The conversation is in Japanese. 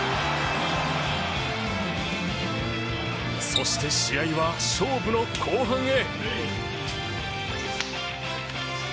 そして、試合は勝負の後半へ。